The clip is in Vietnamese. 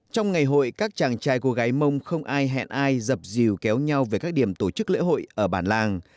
trong ngày hội các chàng trai cô gái mông không ai hẹn ai dập dìu kéo nhau về các điểm tổ chức lễ hội ở bản làng